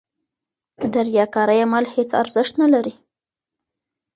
د ریاکارۍ عمل هېڅ ارزښت نه لري.